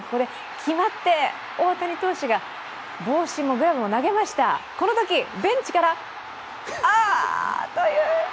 決まって、大谷投手が帽子もグラブも投げました、このとき、ベンチから、あという。